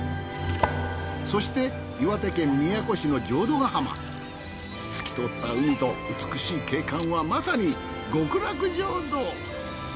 そして岩手県宮古市の透き通った海と美しい景観はまさに極楽浄土。